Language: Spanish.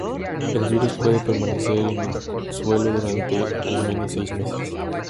El virus puede permanecer en el suelo durante al menos seis meses.